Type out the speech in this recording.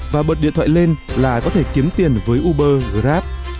và bật điện thoại lên là có thể kiếm tiền với uber grab